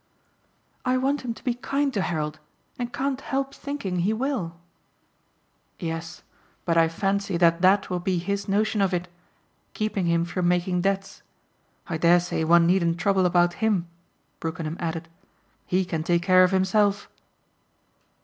"I want him to be kind to Harold and can't help thinking he will." "Yes, but I fancy that that will be his notion of it keeping him from making debts. I dare say one needn't trouble about him," Brookenham added. "He can take care of himself."